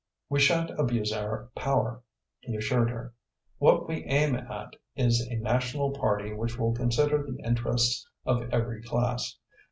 "We shan't abuse our power," he assured her. "What we aim at is a National Party which will consider the interests of every class.